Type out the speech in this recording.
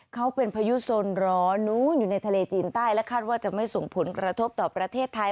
เขาเป็นพายุโซนร้อนนู้นอยู่ในทะเลจีนใต้และคาดว่าจะไม่ส่งผลกระทบต่อประเทศไทย